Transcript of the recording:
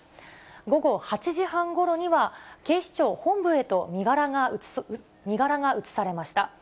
午後８時半ごろには、警視庁本部へと身柄が移されました。